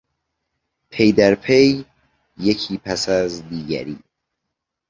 پی در پی، یکی پس از دیگری